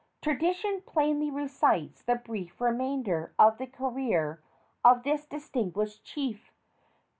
Tradition plainly recites the brief remainder of the career of this distinguished chief.